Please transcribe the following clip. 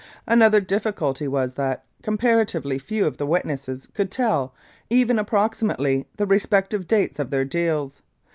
Another difficulty was that comparatively few of the witnesses could tell, even approximately the re spective dates of their deals.